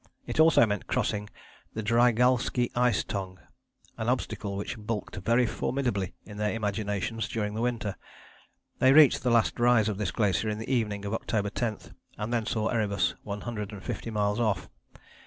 It also meant crossing the Drygalski Ice Tongue, an obstacle which bulked very formidably in their imaginations during the winter. They reached the last rise of this glacier in the evening of October 10, and then saw Erebus, one hundred and fifty miles off.